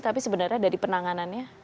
tapi sebenarnya dari penanganannya